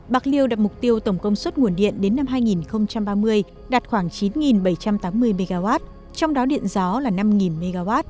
bạc liêu đặt mục tiêu tổng công suất nguồn điện đến năm hai nghìn ba mươi đạt khoảng chín bảy trăm tám mươi mw trong đó điện gió là năm mw